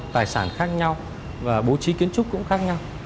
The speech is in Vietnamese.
tài sản khác nhau và bố trí kiến trúc cũng khác nhau